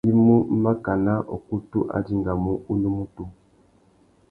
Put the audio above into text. I mú makana ukutu a dingamú unúmútú.